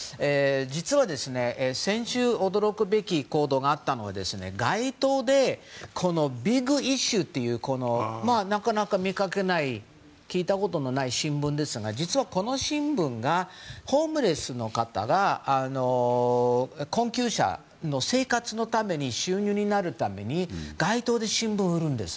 実は、先週驚くべき行動があったのは街頭で「ビッグイシュー」というなかなか見かけない聞いたことのない新聞ですが実はこの新聞がホームレスの方があとは困窮者の生活のために収入になるために街頭で新聞を売るんです。